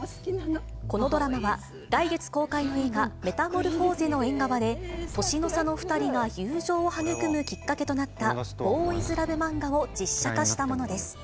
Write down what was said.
このドラマは、来月公開の映画、メタモルフォーゼの縁側で、年の差の２人が友情を育むきっかけとなったボーイズラブ漫画を実写化したものです。